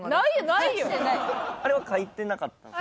あれは書いてなかったんですか？